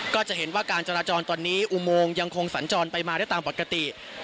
ก็จะเห็นว่าการจราจรตอนนี้อุโมงยังคงสัญจรไปมาได้ตามปกติ